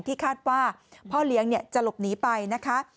คาดว่าพ่อเลี้ยงจะหลบหนีไปนะคะ